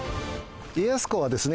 家康公はです